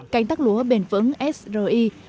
cánh tắc lúa bền vững sri